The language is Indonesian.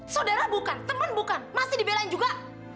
saudara bukan teman bukan masih dibelain juga